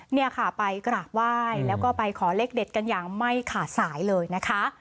เนี่ยค่ะไปกราบไหว้แล้วก็ไปขอเลขเด็ดกันอย่างไม่ขาดสายเลยนะคะ